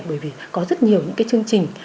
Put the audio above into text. bởi vì có rất nhiều những cái chương trình